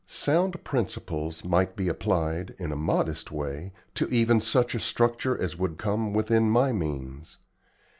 Sound principles might be applied, in a modest way, to even such a structure as would come within my means.